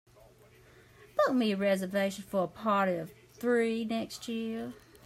Book me a reservation for a party of three next year